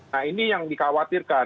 nah ini yang dikhawatirkan